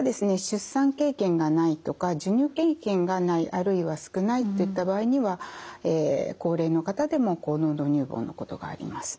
出産経験がないとか授乳経験がないあるいは少ないといった場合には高齢の方でも高濃度乳房のことがあります。